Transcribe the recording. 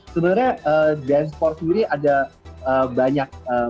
sebenarnya dance sport sendiri ada banyak